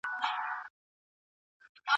په هغو قصو کي به ځيني درواغ هم موجود وه.